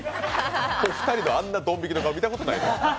２人のあんなどん引きの顔見たことないよ。